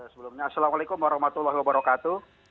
sebelumnya assalamualaikum warahmatullahi wabarakatuh